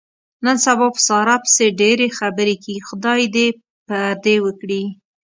نن سبا په ساره پسې ډېرې خبرې کېږي. خدای یې دې پردې و کړي.